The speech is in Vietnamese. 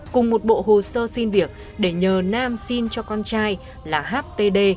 cùng một bộ hồ sơ xin việc để nhờ nam xin cho con trai là htd